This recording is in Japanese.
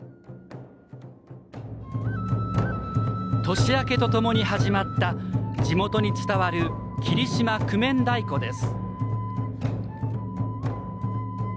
年明けとともに始まった地元に伝わる霧島九面太鼓です。